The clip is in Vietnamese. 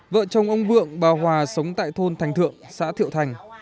vợ chồng ông vượng bà hòa sống tại thôn thành thượng xã thiệu thành